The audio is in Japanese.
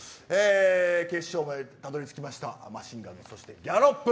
決勝までたどり着きましたマシンガンズ、そしてギャロップ